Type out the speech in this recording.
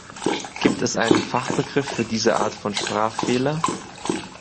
Gibt es einen Fachbegriff für diese Art von Sprachfehler?